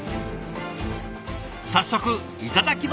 早速いただきます！